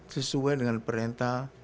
sesuai dengan perintah